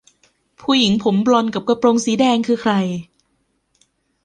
ผู้หญิงผมบลอนด์กับกระโปรงสีแดงคือใคร ?